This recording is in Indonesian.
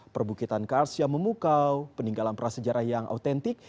perbukitan kars yang memukau peninggalan prasejarah yang autentik